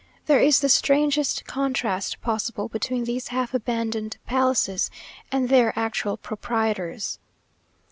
There is the strangest contrast possible between these half abandoned palaces, and their actual proprietors.